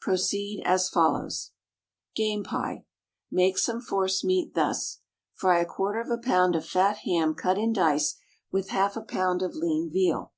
Proceed as follows: Game Pie. Make some force meat thus: Fry a quarter of a pound of fat ham cut in dice with half a pound of lean veal.